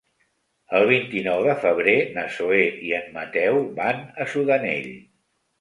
El vint-i-nou de febrer na Zoè i en Mateu van a Sudanell.